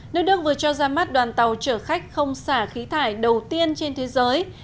nước đức vừa cho ra mắt đoàn tàu chở khách không xả khí thải đầu tiên trên thế giới